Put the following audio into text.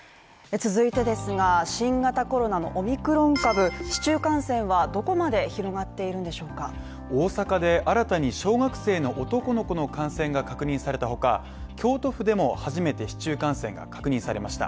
続いてですが、新型コロナのオミクロン株、市中感染はどこまで広がっているんでしょうか、大阪で新たに小学生の男の子の感染が確認されたほか、京都府でも初めて市中感染が確認されました。